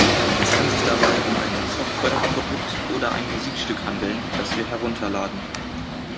Es kann sich dabei um ein Software-Produkt oder ein Musikstück handeln, das wir herunterladen.